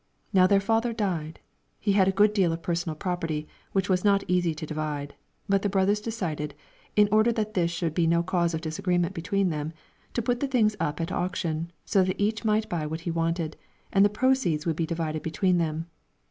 Now their father died; he had a good deal of personal property, which was not easy to divide, but the brothers decided, in order that this should be no cause of disagreement between them, to put the things up at auction, so that each might buy what he wanted, and the proceeds could be divided between them.